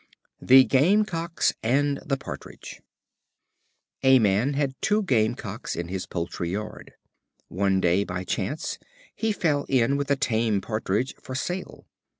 The Game cocks and the Partridge. A Man had two Game cocks in his poultry yard. One day, by chance, he fell in with a tame Partridge for sale.